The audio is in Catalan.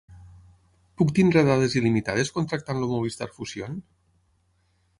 Puc tenir dades il·limitades contractant el Movistar Fusión?